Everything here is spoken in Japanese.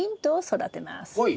はい。